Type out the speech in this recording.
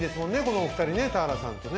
このお二人ね田原さんとね。